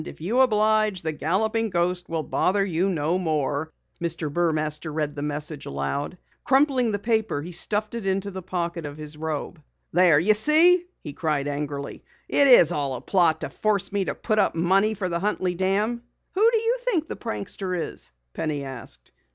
IF YOU OBLIGE, THE GALLOPING GHOST WILL BOTHER YOU NO MORE." Mr. Burmaster read the message aloud and crumpling the paper, stuffed it into the pocket of his robe. "There, you see!" he cried angrily. "It's all a plot to force me to put up money for the Huntley Dam!" "Who do you think the prankster is?" Penny asked.